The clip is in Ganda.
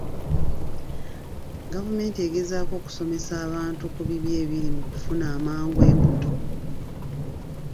Gavumenti egezaako okusomesa abantu ku bibi ebiri mu kufuna amangu embuto.